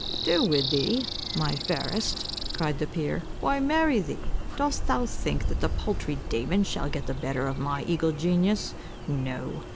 "Do with thee, my fairest!" cried the peer, "why, marry thee. Dost thou think that the paltry Damon shall get the better of my eagle genius? No.